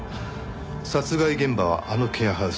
殺害現場はあのケアハウス。